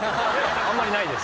あんまりないです。